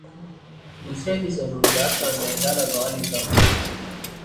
دوسروں کی ضروریات کا اندازہ لگا لیتا ہوں